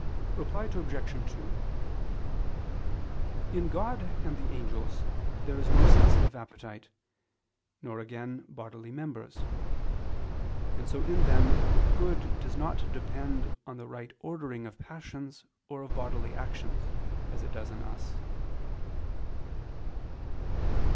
Reply Obj. 2: In God and the angels there is no sensitive appetite, nor again bodily members: and so in them good does not depend on the right ordering of passions or of bodily actions, as it does in us.